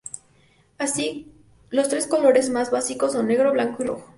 Así, los tres colores más básicos son negros, blanco, y rojo.